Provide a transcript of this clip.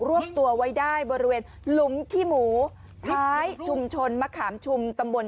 วบตัวไว้ได้บริเวณหลุมขี้หมูท้ายชุมชนมะขามชุมตำบล